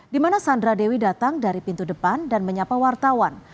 di mana sandra dewi datang dari pintu depan dan menyapa wartawan